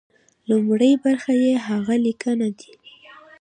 لومړۍ برخه يې هغه ليکنې دي.